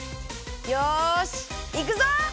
よしいくぞ！